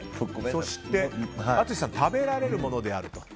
そして、淳さん食べられるものであると。